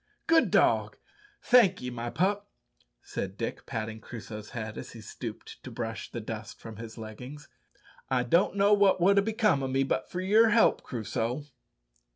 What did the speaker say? "Good dog; thank'ee, my pup," said Dick, patting Crusoe's head as he stooped to brush the dust from his leggings. "I don't know what would ha' become o' me but for your help, Crusoe."